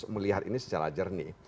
melihat ini secara jernih